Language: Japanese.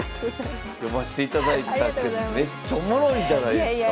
読ましていただいたけどめっちゃおもろいじゃないですか。